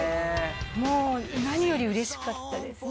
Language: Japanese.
もう何より嬉しかったですね。